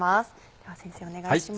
では先生お願いします。